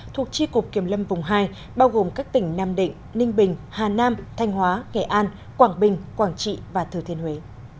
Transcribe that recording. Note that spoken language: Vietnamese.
thuộc tri cục kiểm lâm vùng hai bao gồm các tỉnh nam định ninh bình hà nam thanh hóa nghệ an quảng bình quảng trị và thừa thiên huế